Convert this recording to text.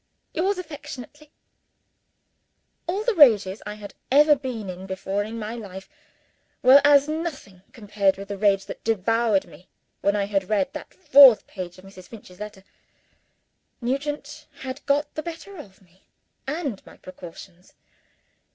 Yours affectionately, "AMELIA FINCH." All the rages I had ever been in before in my life were as nothing compared with the rage that devoured me when I had read that fourth page of Mrs. Finch's letter. Nugent had got the better of me and my precautions!